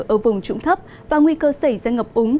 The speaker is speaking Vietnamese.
ở vùng trũng thấp và nguy cơ xảy ra ngập úng